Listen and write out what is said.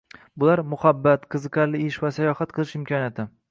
Bular: muhabbat, qiziqarli ish va sayohat qilish imkoniyati.